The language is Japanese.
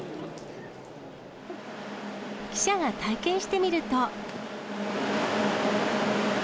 記者が体験してみると。